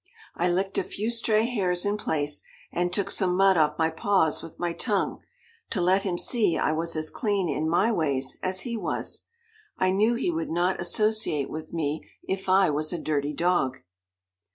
I licked a few stray hairs in place, and took some mud off my paws with my tongue, to let him see I was as clean in my ways as he was. I knew he would not associate with me if I was a dirty dog.